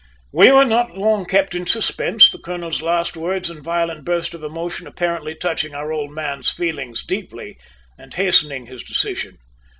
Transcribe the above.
We were not long kept in suspense, the colonel's last words and violent burst of emotion apparently touching our "old man's" feelings deeply, and hastening his decision.